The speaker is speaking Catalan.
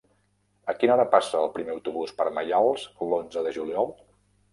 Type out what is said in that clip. A quina hora passa el primer autobús per Maials l'onze de juliol?